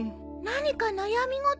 何か悩み事？